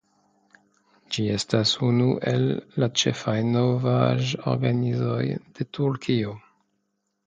Ĝi estas unu el la ĉefaj novaĵorganizoj de Turkio.